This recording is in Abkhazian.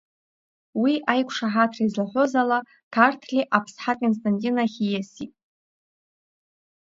Уи аиқәышаҳаҭра излаҳәоз ала, Қарҭли Аԥсҳа Константин иахь ииаст.